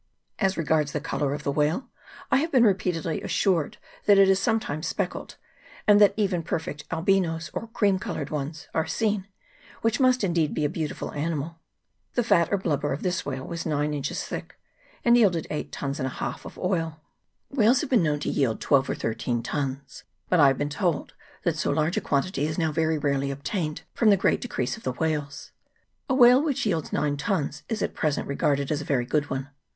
As regards the colour of the whale, I have been repeatedly assured that it is sometimes speckled, and that even perfect albinos, or cream coloured ones, are seen, which must indeed be beautiful ani mals. The fat or blubber of this whale was nine inches thick, and yielded eight tuns and a half of oil. CHAP. II.] WHALES AND WHALERS. 51 Whales have been known to yield twelve or thirteen tuns ; but I have been told that so large a quantity is now very rarely obtained, from the great decrease of the whales. A whale which yields nine tuns is at present regarded as a very good one.